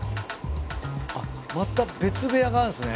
あっまた別部屋があるんですね。